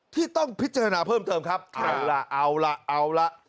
ที่ต้องพิจารณาเพิ่มเติมครับใครล่ะเอาล่ะเอาล่ะ